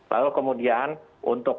lalu kemudian untuk